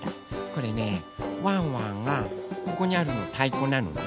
これねワンワンがここにあるのたいこなのね。